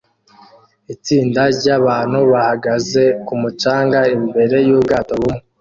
Itsinda ryabantu bahagaze ku mucanga imbere yubwato bumwe